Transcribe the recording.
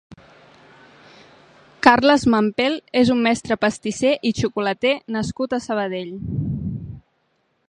Carles Mampel és un mestre pastisser i xocolater nascut a Sabadell.